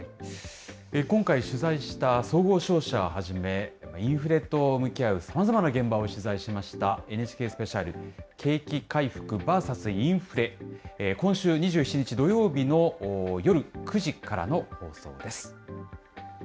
今回、取材した総合商社はじめ、インフレと向き合う、さまざまな現場を取材しましたＮＨＫスペシャル、景気回復ＶＳインフレ、今週２７日土曜日の夜９時からの放送です。